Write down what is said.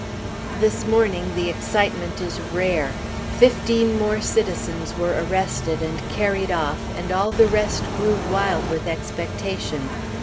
This morning the excitement is rare; fifteen more citizens were arrested and carried off, and all the rest grew wild with expectation.